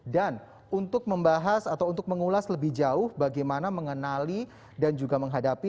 untuk membahas atau untuk mengulas lebih jauh bagaimana mengenali dan juga menghadapi